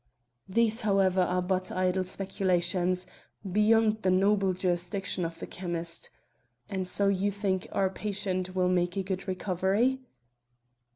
These, however, are but idle speculations, beyond the noble jurisdiction of the chymist. And so you think our patient will make a good recovery?"